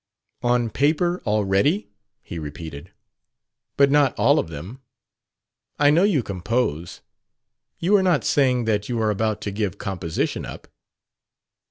"On paper already?" he repeated. "But not all of them? I know you compose. You are not saying that you are about to give composition up?"